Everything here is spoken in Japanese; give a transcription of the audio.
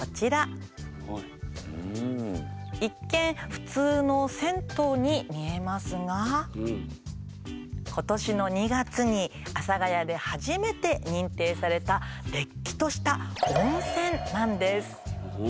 一見普通の銭湯に見えますが今年の２月に阿佐ヶ谷で初めて認定されたれっきとした温泉なんです。